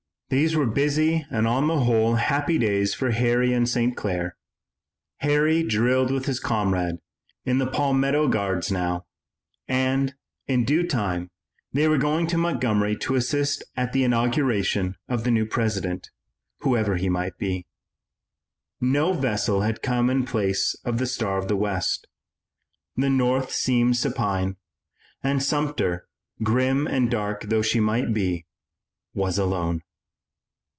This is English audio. These were busy and on the whole happy days for Harry and St. Clair. Harry drilled with his comrade in the Palmetto Guards now, and, in due time, they were going to Montgomery to assist at the inauguration of the new president, whoever he might be. No vessel had come in place of the Star of the West. The North seemed supine, and Sumter, grim and dark though she might be, was alone.